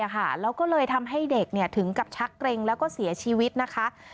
แล้วก็เลยทำให้เด็กถึงกับชักเกร็งแล้วก็เสียชีวิตนะคะ